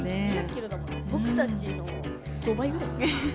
僕たちの５倍ぐらい。